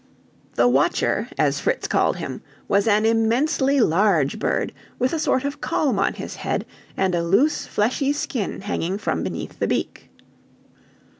The Watcher, as Fritz called him, was an immensely large bird, with a sort of comb on his head, and a loose, fleshy skin hanging from beneath the beak.